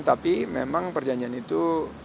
tapi memang perjanjian itu